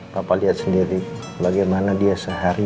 papa lihat sendiri bagaimana dia seharian